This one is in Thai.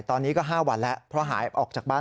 ตอนนี้ก็๕วันแล้วเพราะหายออกจากบ้าน